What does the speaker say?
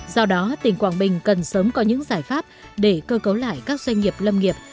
do đó tỉnh quảng bình cần sớm có những giải pháp để cơ cấu lại các doanh nghiệp lâm nghiệp